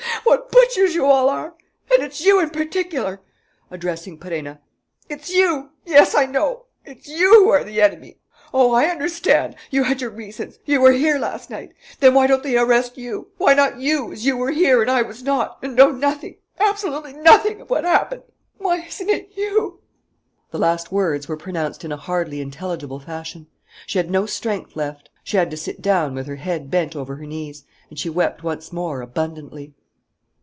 ... What butchers you all are! ... And it's you in particular," addressing Perenna, "it's you yes, I know it's you who are the enemy. "Oh, I understand! You had your reasons, you were here last night.... Then why don't they arrest you? Why not you, as you were here and I was not and know nothing, absolutely nothing of what happened.... Why isn't it you?" The last words were pronounced in a hardly intelligible fashion. She had no strength left. She had to sit down, with her head bent over her knees, and she wept once more, abundantly.